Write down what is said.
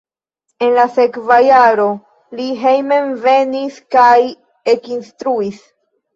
En la sekva jaro li hejmenvenis kaj ekinstruis.